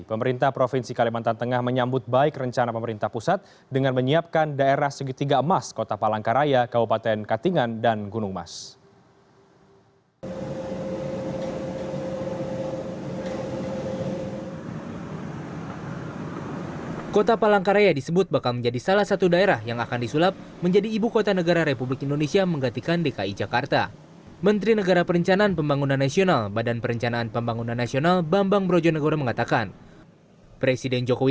pemerintah provinsi kalimantan tengah menyambut baik rencana pemerintah pusat dengan menyiapkan daerah segitiga emas kota palangkaraya kabupaten katingan dan gunung mas